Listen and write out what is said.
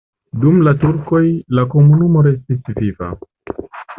Dum la turkoj la komunumo restis viva.